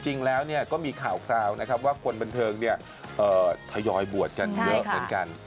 จริงแล้วก็มีข่าวคราวนะครับว่าคนบันเทิงทยอยบวชกันเยอะเหมือนกัน